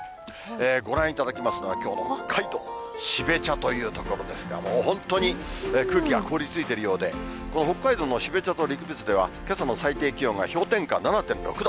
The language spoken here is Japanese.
ご覧いただきますのは、きょうの北海道標茶という所ですが、もう本当に空気が凍りついているようで、この北海道の標茶と陸別では、けさの最低気温が氷点下７．６度。